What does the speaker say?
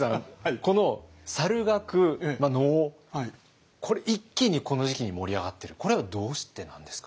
この猿楽能これ一気にこの時期に盛り上がってるこれはどうしてなんですか？